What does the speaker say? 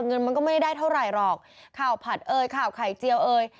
เงินมันก็ไม่ได้เท่าไหร่หรอกข่าวผัดเอ่ยข่าวไข่เจียวเอย